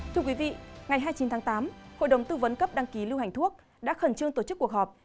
thưa quý vị ngày hai mươi chín tháng tám hội đồng tư vấn cấp đăng ký lưu hành thuốc đã khẩn trương tổ chức cuộc họp